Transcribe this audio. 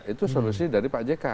itu solusi dari pak jk